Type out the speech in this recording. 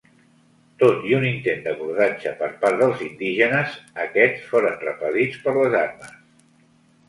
Tot i un intent d'abordatge per part dels indígenes, aquest foren repel·lits per les armes.